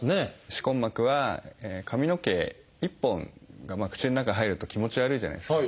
歯根膜は髪の毛１本が口の中へ入ると気持ち悪いじゃないですか。